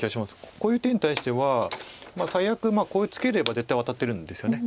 こういう手に対してはまあ最悪こうツケれば絶対ワタってるんですよね。